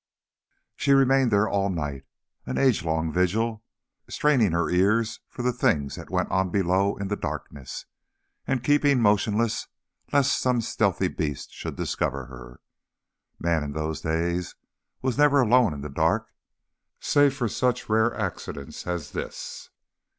She remained there all night, an age long vigil, straining her ears for the things that went on below in the darkness, and keeping motionless lest some stealthy beast should discover her. Man in those days was never alone in the dark, save for such rare accidents as this.